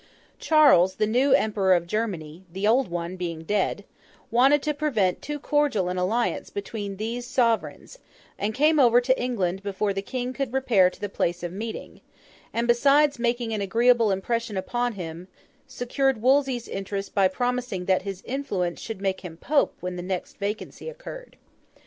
Charles, the new Emperor of Germany (the old one being dead), wanted to prevent too cordial an alliance between these sovereigns, and came over to England before the King could repair to the place of meeting; and, besides making an agreeable impression upon him, secured Wolsey's interest by promising that his influence should make him Pope when the next vacancy occurred.